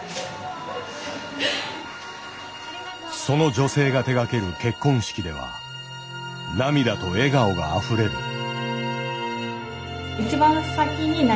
その女性が手がける結婚式では涙と笑顔があふれる。